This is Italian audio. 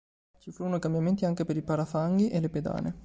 Ci furono cambiamenti anche per i parafanghi e le pedane.